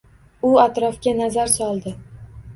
U atrofga nazar soldi